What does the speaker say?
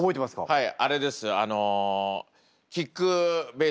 はい。